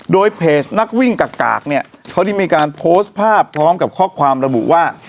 โดยเพจนักวิ่งกากกากเนี่ยเขาได้มีการโพสต์ภาพพร้อมกับข้อความระบุว่า